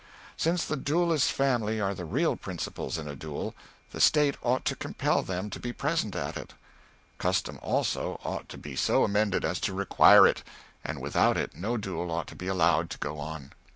Since the duellist's family are the real principals in a duel, the State ought to compel them to be present at it. Custom, also, ought to be so amended as to require it; and without it no duel ought to be allowed to go on.